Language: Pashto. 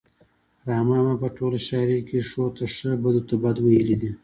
رحمان بابا په ټوله شاعرۍ کې ښو ته ښه بدو ته بد ویلي دي.